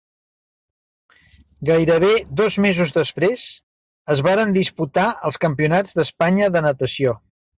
Gairebé dos mesos després es varen disputar els Campionats d'Espanya de natació.